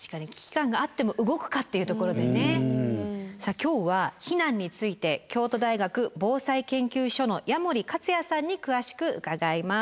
今日は避難について京都大学防災研究所の矢守克也さんに詳しく伺います。